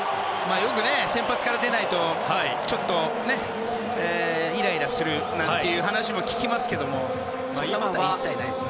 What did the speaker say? よく先発から出ないとちょっとイライラするという話も聞きますけどもそんなことは一切ないですね。